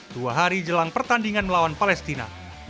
dua hari jelang pertandingan melawan palestina